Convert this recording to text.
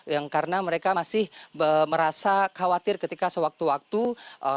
yang karena mereka masih merasa khawatir ketika sewaktu waktu gempa susulan ini